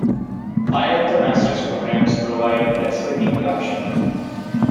Five of the masters programs provide a flexible degree option.